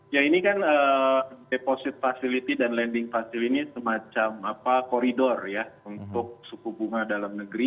ya ini kan deposit facility dan lending facil ini semacam koridor ya untuk suku bunga dalam negeri